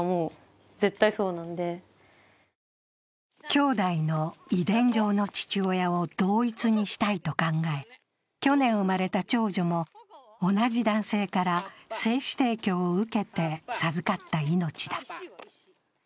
きょうだいの遺伝上の父親を同一にしたいと考え、去年生まれた長女も、同じ男性から精子提供を受けて授かった命だ。